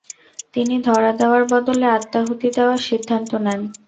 তিনি ধরা দেওয়ার বদলে আত্মাহুতি দেওয়ার সিদ্ধান্ত নেন।